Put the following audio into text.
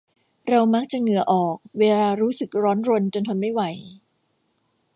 เรามักจะเหงื่อออกเวลารู้สึกร้อนจนทนไม่ไหว